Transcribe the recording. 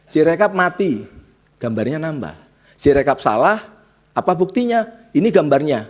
sirekap mati gambarnya nambah sirekap salah apa buktinya ini gambarnya